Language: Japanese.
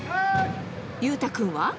裕太君は。